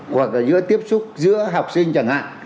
hoặc là giữa tiếp xúc giữa học sinh chẳng hạn